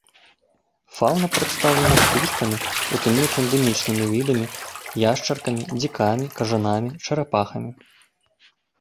Фаўна прадстаўлена птушкамі, у тым ліку эндэмічнымі відамі, яшчаркамі, дзікамі, кажанамі, чарапахамі.